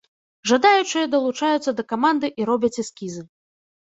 Жадаючыя далучаюцца да каманды і робяць эскізы.